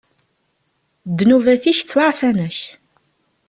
Ddnubat-ik ttwaɛfan-ak.